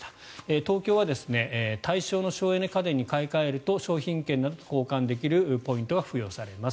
東京は対象の省エネ家電に買い替えると商品券などと交換できるポイントが付与されます。